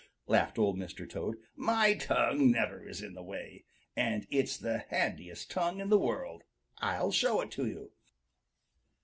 laughed Old Mr. Toad. "My tongue never is in the way, and it's the handiest tongue in the world. I'll show it to you."